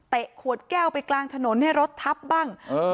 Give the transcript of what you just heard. ขวดแก้วไปกลางถนนให้รถทับบ้าง